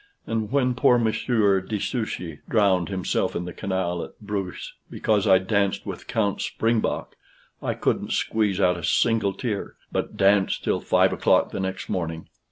And when poor Monsieur de Souchy drowned himself in the canal at Bruges because I danced with Count Springbock, I couldn't squeeze out a single tear, but danced till five o'clock the next morning.